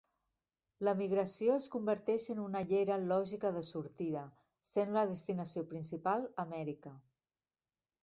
L'emigració es converteix en una llera lògica de sortida, sent la destinació principal Amèrica.